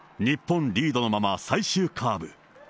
日本リードのまま最終カーブ。